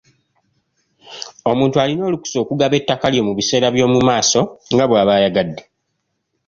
Omuntu alina olukusa okugaba ettaka lye mu biseera by’omu maaso nga bw’aba ayagadde.